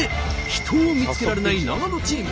秘湯を見つけられない長野チーム。